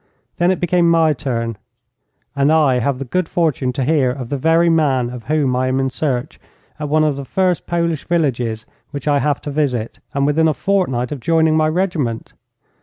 Then it became my turn, and I have the good fortune to hear of the very man of whom I am in search at one of the first Polish villages which I have to visit, and within a fortnight of joining my regiment.